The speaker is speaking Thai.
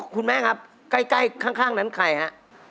คุณแม่ครับใกล้ข้างนั้นใครฮะ